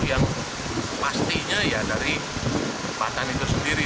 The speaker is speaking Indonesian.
yang pastinya ya dari patan itu sendiri